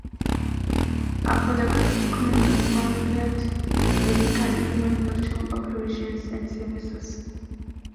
Apodaca's economy is founded basically in manufacturing operations and services.